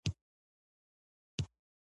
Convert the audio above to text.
دا غږ د بشریت استازیتوب کوي.